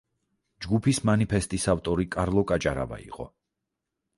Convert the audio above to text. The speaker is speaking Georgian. ჯგუფის მანიფესტის ავტორი კარლო კაჭარავა იყო.